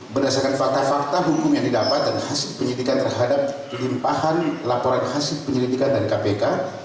berdasarkan fakta fakta hukum yang didapat dan hasil penyidikan terhadap limpahan laporan hasil penyelidikan dari kpk